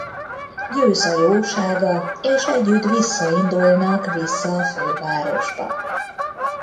Győz a jósága és együtt visszaindulnak vissza a fővárosba.